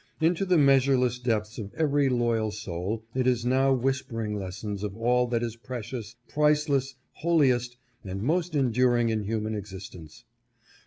Into the measureless depths of every loyal soul it is now whispering lessons of all that is precious, priceless', holi est, and most enduring in human existence.